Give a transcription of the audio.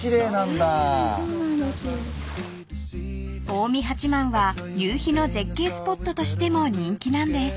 ［近江八幡は夕日の絶景スポットとしても人気なんです］